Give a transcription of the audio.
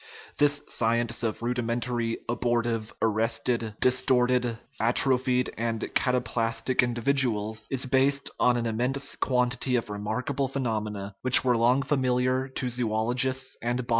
* This "science of rudimentary, abor tive, arrested, distorted, atrophied, and cataplastic in dividuals" is based on an immense quantity of remark able phenomena, which were long familiar to zoologists * Cf